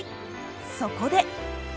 そこで！